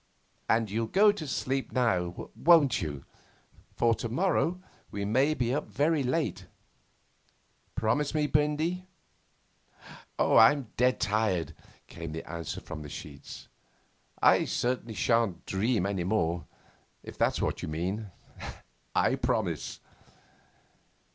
And you'll go to sleep now, won't you? For to morrow we may be up very late. Promise me, Bindy.' 'I'm dead tired,' came the answer from the sheets. 'I certainly shan't dream any more, if that's what you mean. I promise.